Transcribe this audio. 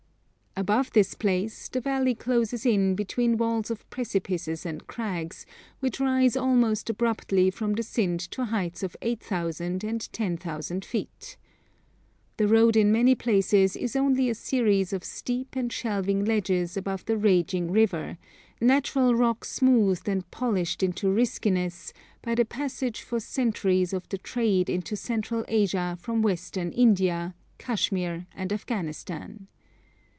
Above this place the valley closes in between walls of precipices and crags, which rise almost abruptly from the Sind to heights of 8,000 and 10,000 feet. The road in many places is only a series of steep and shelving ledges above the raging river, natural rock smoothed and polished into riskiness by the passage for centuries of the trade into Central Asia from Western India, Kashmir, and Afghanistan.